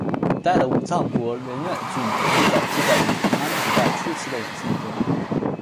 古代的武藏国荏原郡最早记载于平安时代初期的文献中。